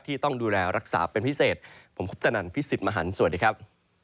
ต้องดูแลรักษาเป็นพิเศษผมคุปตนันพี่สิทธิ์มหันฯสวัสดีครับ